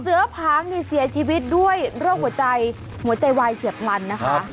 เสือผางนี่เสียชีวิตด้วยโรคหัวใจหัวใจวายเฉียบพลันนะคะ